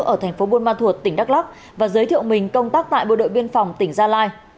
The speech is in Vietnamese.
ở thành phố buôn ma thuột tỉnh đắk lắc và giới thiệu mình công tác tại bộ đội biên phòng tỉnh gia lai